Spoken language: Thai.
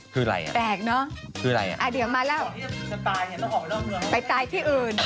ไปตายที่อื่น